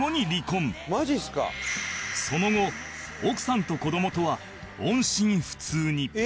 その後奥さんと子どもとは音信不通に